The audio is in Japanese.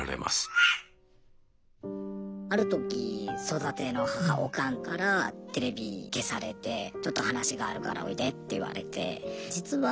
ある時育ての母オカンからテレビ消されてちょっと話があるからおいでって言われて。